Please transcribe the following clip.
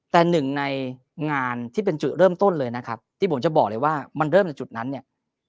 แต่หนึ่งในงานที่เป็นจุดเริ่มต้นเลยนะครับที่ผมจะบอกเลยว่ามันเริ่มจากจุดนั้นเนี่ย